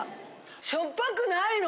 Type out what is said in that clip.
しょっぱくないの！